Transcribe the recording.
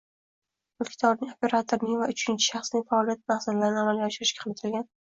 Mulkdorning, operatorning va uchinchi shaxsning faoliyati maqsadlarini amalga oshirishga qaratilgan